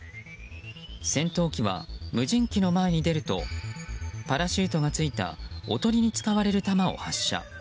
戦闘機は無人機の前に出るとパラシュートがついたおとりに使われる弾を発射。